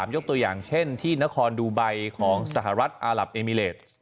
ยกตัวอย่างเช่นที่นครดูไบของสหรัฐอาหลับเอมิเลส